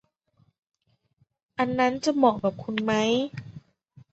อันนั้นจะเหมาะกับคุณไหม